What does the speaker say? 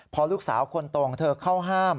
พอลูกสาวคนโตของเธอเข้าห้าม